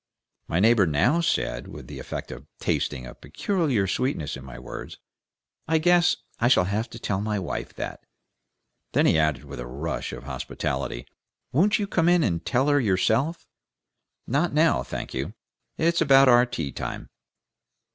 My neighbor now said with the effect of tasting a peculiar sweetness in my words, "I guess I shall have to tell my wife, that." Then he added, with a rush of hospitality, "Won't you come in and tell her yourself?" "Not now, thank you. It's about our tea time."